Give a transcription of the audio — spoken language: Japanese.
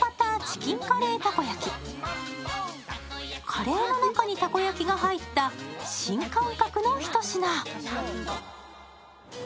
カレーの中にたこ焼きが入った新感覚のひと品。